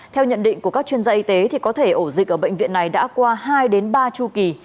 theo nhận định của các chuyên gia y tế có thể ổ dịch ở bệnh viện này đã qua hai ba chu kỳ